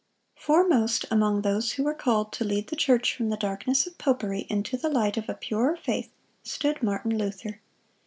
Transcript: ] Foremost among those who were called to lead the church from the darkness of popery into the light of a purer faith, stood Martin Luther.